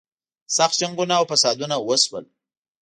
سخت جنګونه او فسادونه وشول.